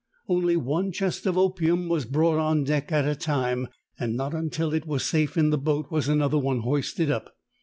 Only one chest of opium was brought on deck at a time, and not until it was safe in the boat was another one hoisted up.